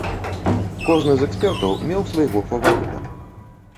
Кожны з экспертаў меў свайго фаварыта.